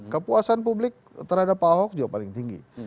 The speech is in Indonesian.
kepuasan publik terhadap pak ahok juga paling tinggi